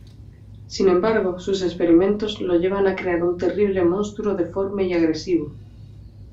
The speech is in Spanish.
Sin embargo, sus experimentos lo llevan a crear un terrible monstruo deforme y agresivo.